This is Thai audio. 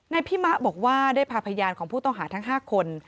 พี่มะบอกว่าได้พาพยานของผู้ต้องหาทั้ง๕คน